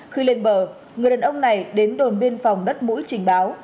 khi lên bờ người đàn ông này đến đồn biên phòng đất mũi trình báo